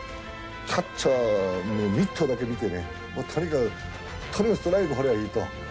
キャッチャーのミットだけ見てねとにかくストライク放りゃいいと。